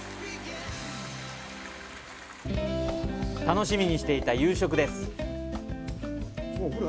楽しみにしていた夕食です。